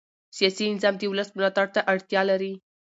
سیاسي نظام د ولس ملاتړ ته اړتیا لري